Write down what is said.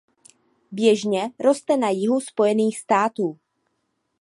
Běžně roste na jihu Spojených států.